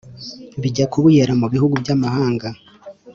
bijya kubuyera mu bihugu by’amahanga.